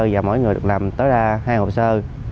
và mỗi người được làm tối đa hai hồ sơ